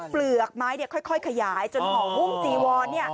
เปลือกไม้เนี่ยค่อยขยายจนมันหุ้มจีวัลเนี่ย